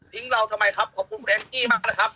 เราทำไมครับขอบคุณแองจี้มากนะครับ